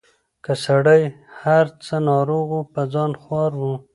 که سړی هر څه ناروغ وو په ځان خوار وو